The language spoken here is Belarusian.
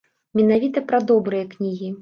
Менавіта пра добрыя кнігі.